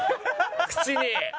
口に。